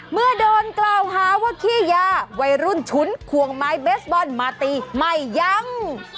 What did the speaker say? เมื่อโดนกล่าวหาว่าขี้ยาวัยรุ่นฉุนควงไม้เบสบอลมาตีไม่ยัง